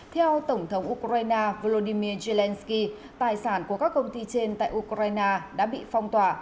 theo tổng thống ukraine volodymyr zelensky tài sản của các công ty trên tại ukraine đã bị phong tỏa